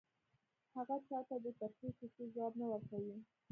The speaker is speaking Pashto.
هغه چا ته د ترخې کیسې ځواب نه ورکوي